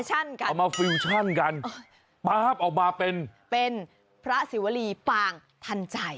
จริงกันป๊าบเอามาเป็นเป็นพระศิวรีปางทันใจ